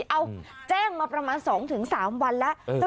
เอาแจ้งมาประมาณ๒๓วันแล้ว